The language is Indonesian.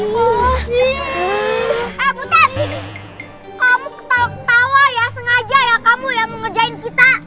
kamu ketawa ketawa ya sengaja ya kamu yang mengerjain kita